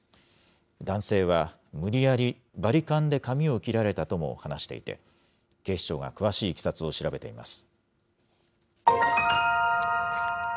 男性は無理やりバリカンで髪を切られたとも話していて、警視庁が詳しいいきさつを調べています。